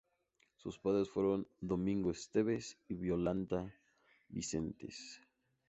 Sus padres fueron Domingo Esteves y Violante Vicente.